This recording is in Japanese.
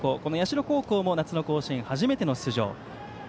社高校も夏の甲子園初めての出場。